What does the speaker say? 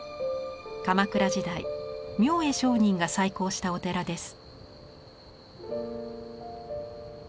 鎌倉時代明恵上人が再興したお寺です。